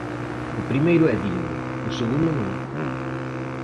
O primeiro é digno, o segundo non.